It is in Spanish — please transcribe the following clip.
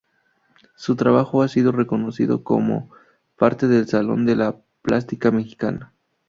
Su trabajo ha sido reconocido como parte del Salón de la Plástica Mexicana.